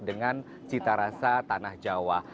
dengan cita rasa tanah jawa